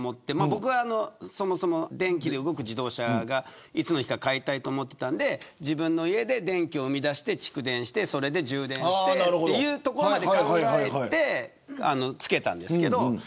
僕はそもそも電気で動く自動車がいつの日か買いたいと思っていたので自分の家で電気を生み出して蓄電して充電してというところまで考えて付けたんですけど。